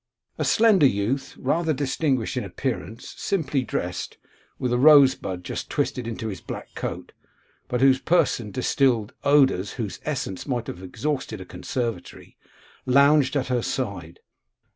A slender youth, rather distinguished in appearance, simply dressed, with a rose bud just twisted into his black coat, but whose person distilled odours whose essence might have exhausted a conservatory, lounged at her side.